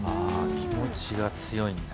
気持ちが強いんだ。